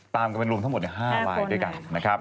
ตามกันเป็นรวมทั้งหมดอย่าง๕รายด้วยกัน